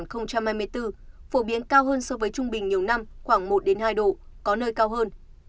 phổ biến cao hơn so với trung bình nhiều năm khoảng một hai độ có nơi cao hơn